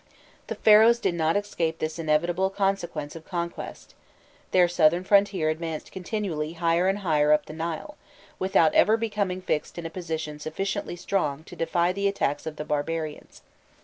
The Pharaohs did not escape this inevitable consequence of conquest: their southern frontier advanced continually higher and higher up the Nile, without ever becoming fixed in a position sufficiently strong to defy the attacks of the Barbarians.